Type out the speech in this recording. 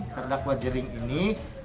terdakwa jaring ini